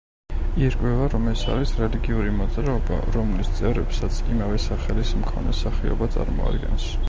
ირკვევა, რომ ეს არის რელიგიური მოძრაობა, რომლის წევრებსაც იმავე სახელის მქონე სახეობა წარმოადგენს.